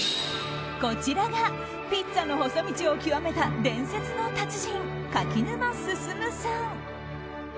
こちらがピッツァの細道を極めた伝説の達人、柿沼さん。